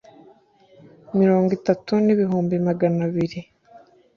mirongo itatu n ibihumbi magana abiri